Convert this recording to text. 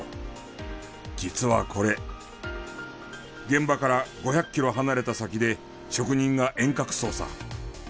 実はこれ現場から５００キロ離れた先で職人が遠隔操作。